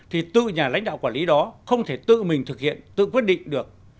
thì tự nhà lãnh đạo quản lý đó không thể tự mình thực hiện tự quyết định được